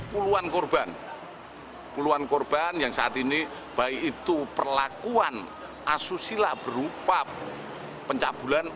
puluhan korban puluhan korban yang saat ini baik itu perlakuan asusila berupa pencabulan